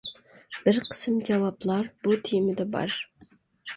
بىر قىسىم جاۋابلار بۇ تېمىدا بار.